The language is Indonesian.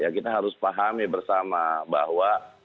kita harus pahami bersama bahwa